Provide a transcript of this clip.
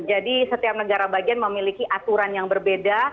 jadi setiap negara bagian memiliki aturan yang berbeda